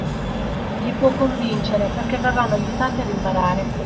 Li può convincere perché verranno aiutati ad imparare.